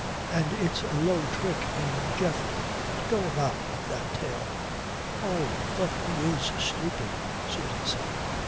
And it's a low trick in Geoffrey to go about with that tale." "Oh! But he is stupid," Susan said.